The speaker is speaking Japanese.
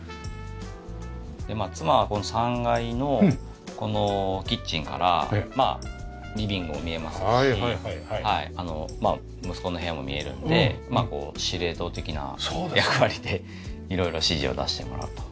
妻はこの３階のこのキッチンからリビングも見えますし息子の部屋も見えるので司令塔的な役割で色々指示を出してもらうと。